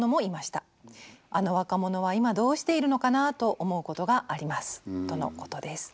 あの若者は今どうしているのかなと思うことがあります」とのことです。